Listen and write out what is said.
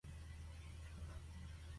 그렇게 딱 잡아떼지 않는 것을 보니 사줄 모양이다.